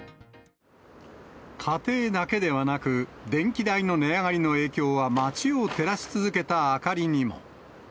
家庭だけではなく、電気代の値上がりの影響は街を照らし続けた明かりにも。